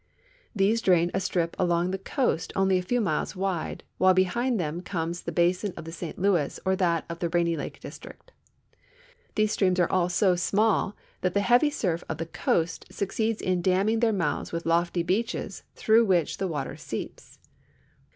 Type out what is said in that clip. These drain a strip along the coast only a few miles wide, while behind them comes the basin of the St Louis or that of the Rainy lake district. These streams are all so small that the heavy surf of the coast succeeds in damming their mouths with lofty beaches through which the water seeps.